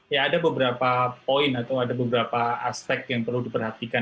ya ada beberapa poin atau ada beberapa aspek yang perlu diperhatikan